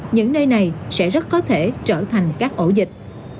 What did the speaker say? những nơi này sẽ rất có thể trở thành các ổ dịch